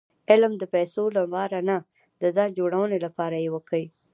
علم د پېسو له پاره نه؛ د ځان جوړوني له پاره ئې وکئ!